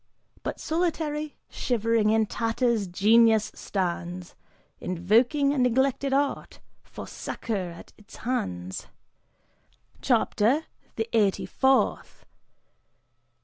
But solitary, shivering, in tatters Genius stands Invoking a neglected art, for succor at its hands. CHAPTER THE EIGHTY FOURTH.